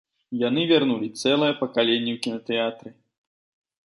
Яны вярнулі цэлае пакаленне ў кінатэатры.